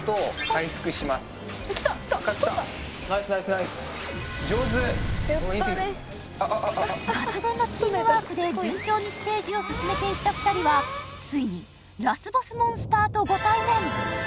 ナイスナイスナイスやったね抜群のチームワークで順調にステージを進めていった２人はついにラスボスモンスターとご対面